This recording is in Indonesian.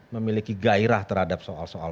memiliki gairah terhadap soal soal